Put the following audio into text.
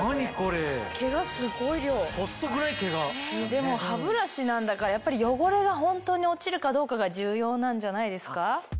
でも歯ブラシなんだからやっぱり汚れが本当に落ちるかどうかが重要なんじゃないですか？